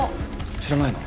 知らないの？